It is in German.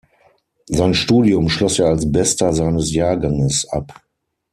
Sein Studium schloss er als Bester seines Jahrganges ab.